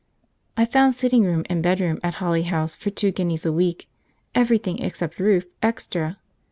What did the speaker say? I found sitting room and bedroom at Holly House for two guineas a week; everything, except roof, extra.